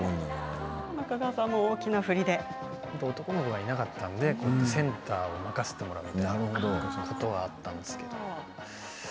中川さんも大きな振りで男の子がいなかったのでセンターで踊らせていただいたことがあったんですけど。